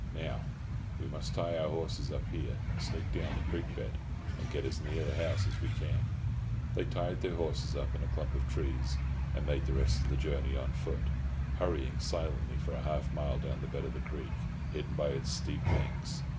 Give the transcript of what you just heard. Now, we must tie our horses up here, sneak down the creek bed, and get as near the house as we can." They tied their horses up in a clump of trees, and made the rest of the journey on foot, hurrying silently for half a mile down the bed of the creek, hidden by its steep banks.